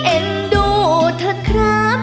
เอ็นดูเถอะครับ